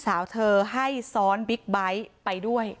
ต่างฝั่งในบอสคนขีดบิ๊กไบท์